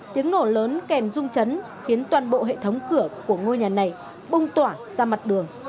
tiếng nổ lớn kèm rung chấn khiến toàn bộ hệ thống cửa của ngôi nhà này bông tỏa ra mặt đường